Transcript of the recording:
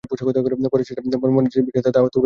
পরের চেষ্টায় মনের যে বিকাশ তাহা অস্বাভাবিক, অপ্রীতিকর।